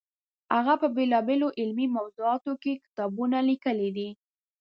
هغه په بېلابېلو علمي موضوعاتو کې کتابونه لیکلي دي.